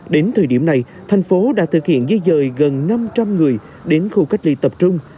đến thời điểm này thành phố đã thực hiện di dời gần năm trăm linh người đến khu cách ly tập trung